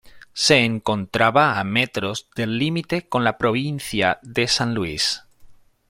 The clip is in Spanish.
Se encontraba a metros del límite con la provincia de San Luis.